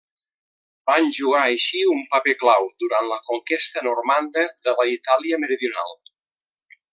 Van jugar així un paper clau durant la conquesta normanda de la Itàlia meridional.